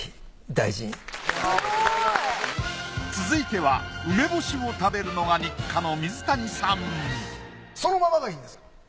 続いては梅干しを食べるのが日課のそのままがいいんですか？